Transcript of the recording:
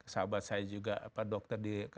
sahabat saya juga dokter di